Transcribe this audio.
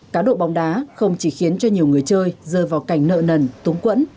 cá độ bóng đá không chỉ khiến cho nhiều người chơi rơi vào cảnh nợ nần túng quẫn